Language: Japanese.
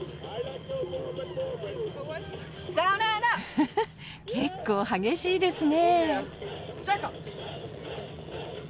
フフッ結構激しいですねえ。